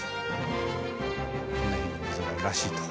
この辺に水があるらしいと。